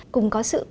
cùng có sự